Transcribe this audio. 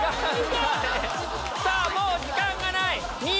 もう時間がない！